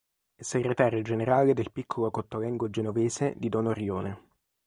È segretario generale del Piccolo Cottolengo genovese di don Orione.